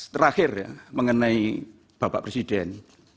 terakhir ya mengenai bapak presiden